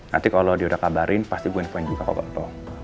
nanti kalo dia udah kabarin pasti gue nelfon juga ke pak pempo